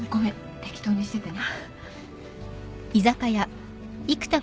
適当にしててね。